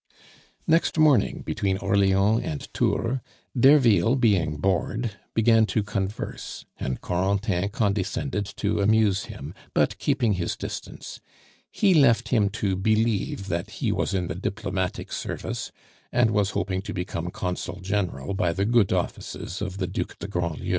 Next morning, between Orleans and Tours, Derville, being bored, began to converse, and Corentin condescended to amuse him, but keeping his distance; he left him to believe that he was in the diplomatic service, and was hoping to become Consul General by the good offices of the Duc de Grandlieu.